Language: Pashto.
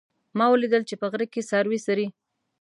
ما ولیدل چې په غره کې څاروي څري